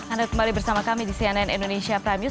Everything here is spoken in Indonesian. anda kembali bersama kami di cnn indonesia prime news